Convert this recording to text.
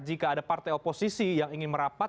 jika ada partai oposisi yang ingin merapat